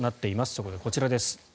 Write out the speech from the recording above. そこでこちらです。